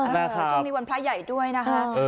ช่วงนี้วันพระใหญ่ด้วยนะคะ